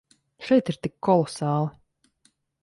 Šeit ir tik kolosāli.